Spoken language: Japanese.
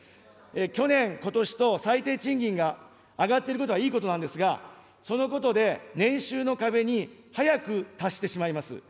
去年、ことしと、最低賃金が上がっていることはいいことなんですが、そのことで年収の壁に早く達してしまいます。